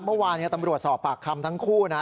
เมื่อวานตำรวจสอบปากคำทั้งคู่นะ